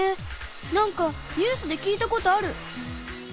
なんかニュースで聞いたことある。